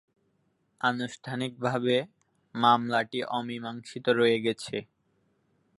আনুষ্ঠানিকভাবে, মামলাটি অমীমাংসিত রয়ে গেছে।